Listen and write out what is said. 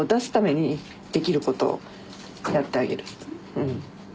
うん。